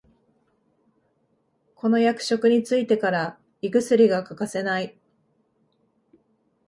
この役職についてから胃薬が欠かせない